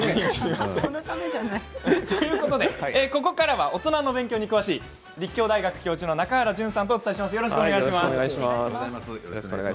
ここからはおとなの勉強に詳しい立教大学教授の中原淳さんとお伝えします。